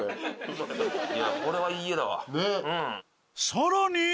さらに！